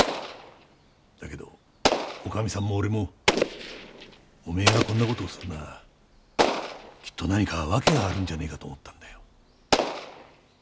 だけど女将さんも俺もお前がこんな事をするのはきっと何か訳があるんじゃねえかと思ったんだよ。